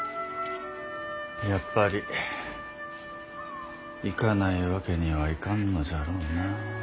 やっぱり行かないわけにはいかんのじゃろうなあ。